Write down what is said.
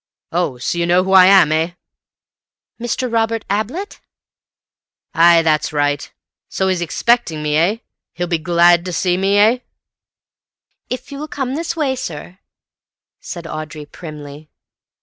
"Oh! So you know who I am, eh?" "Mr. Robert Ablett?" "Ay, that's right. So he's expecting me, eh? He'll be glad to see me, eh?" "If you will come this way, sir," said Audrey primly.